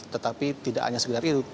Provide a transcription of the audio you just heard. tetapi tidak hanya sekedar hidup